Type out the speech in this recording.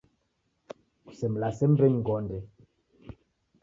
Kusemlase mbenyu ngonde!